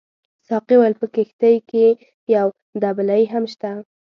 ساقي وویل په کښتۍ کې یو دبلۍ هم شته.